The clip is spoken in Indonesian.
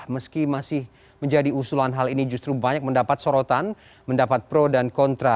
meski masih menjadi usulan hal ini justru banyak mendapat sorotan mendapat pro dan kontra